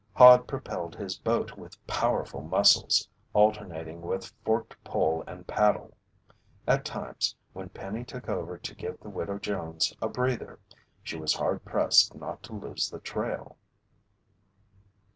Hod propelled his boat with powerful muscles, alternating with forked pole and paddle. At times, when Penny took over to give the Widow Jones a "breather," she was hard pressed not to lose the trail.